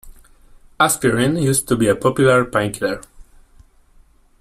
Asprin used to be a popular painkiller